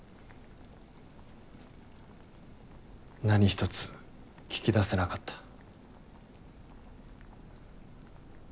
何ひとつ聞き出せなかった。